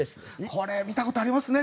これ見たことありますね